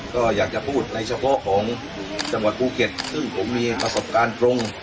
ก็อยากจะพูดในเฉพาะของจังหวัดภูเก็ตซึ่งผมมีประสบการณ์ตรง